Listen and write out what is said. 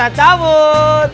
baiklah aku pergi dulu